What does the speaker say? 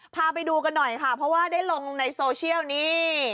พาไปดูกันหน่อยค่ะเพราะว่าได้ลงในโซเชียลนี่